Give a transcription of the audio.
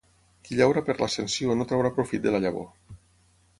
Qui llaura per l'Ascensió no traurà profit de la llavor.